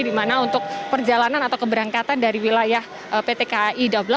dimana untuk perjalanan atau keberangkatan dari wilayah pt eka i dua puluh delapan